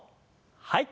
はい。